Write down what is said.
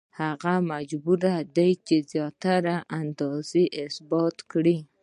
هغه مجبور دی چې زیاته اندازه یې ثابته کړي